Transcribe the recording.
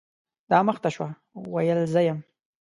دا مخ ته شوه ، ویل زه یم .